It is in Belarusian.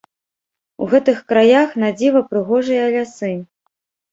У гэтых краях надзіва прыгожыя лясы!